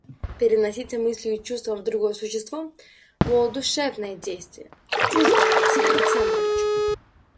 Переноситься мыслью и чувством в другое существо было душевное действие, чуждое Алексею Александровичу.